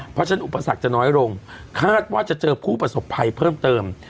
เพราะฉะนั้นอุปสรรคจะน้อยลงคาดว่าจะเจอผู้ประสบภัยเพิ่มเติม